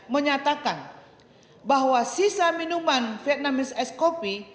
menyatakan bahwa sisa minuman vietnamese ice coffee